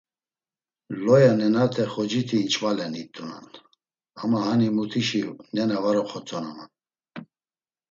Loya nenate xociti inç̌valen it̆unan, ama hani mutuşi nena var oxotzonaman.